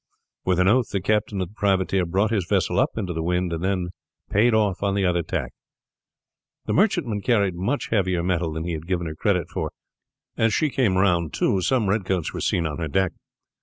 With an oath the captain of the privateer brought his vessel up into the wind, and then payed off on the other tack. The merchantman carried much heavier metal than he had given her credit for. As she came round too, some redcoats were seen on her deck.